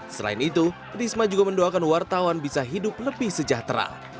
selain itu risma juga mendoakan wartawan bisa hidup lebih sejahtera